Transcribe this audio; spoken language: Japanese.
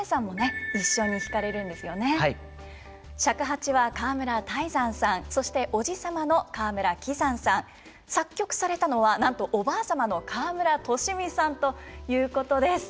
尺八は川村泰山さんそして叔父様の川村葵山さん作曲されたのはなんとおばあ様の川村利美さんということです。